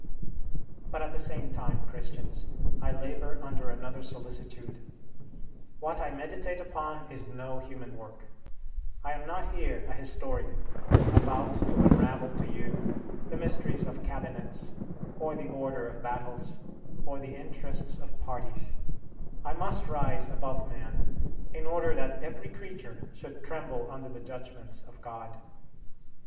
But at the same time, Christians, I labor under another solicitude: what I meditate upon is no human work; I am not here a historian, about to unravel to you the mysteries of cabinets, or the order of battles, or the interests of parties; I must rise above man in order that every creature should tremble under the judgments of God.